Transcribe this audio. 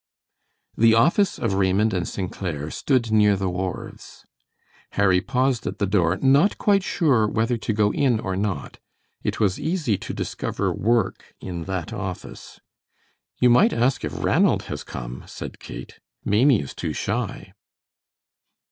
The office of Raymond & St. Clair stood near the wharves. Harry paused at the door, not quite sure whether to go in or not. It was easy to discover work in that office. "You might ask if Ranald has come," said Kate. "Maimie is too shy."